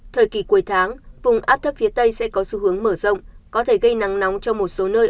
thời kỳ cuối tháng vùng áp thấp phía tây sẽ có xu hướng mở rộng có thể gây nắng nóng cho một số nơi